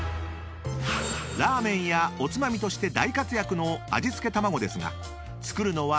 ［ラーメンやおつまみとして大活躍の味付けたまごですが］